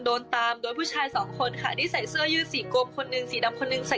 พวกเธ้ารู้เหมียวว่ามันไง